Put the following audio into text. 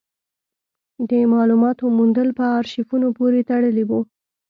د مالوماتو موندل په ارشیفونو پورې تړلي وو.